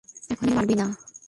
এখনি মরবি না!